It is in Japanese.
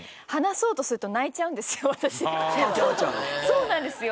そうなんですよ。